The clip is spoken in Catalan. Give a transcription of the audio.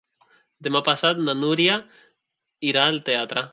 Demà passat na Núria irà al teatre.